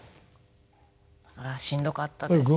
だからしんどかったですよ。